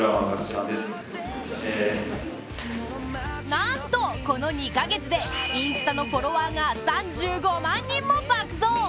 なんとこの２か月でインスタのフォロワーが３５万人も爆増。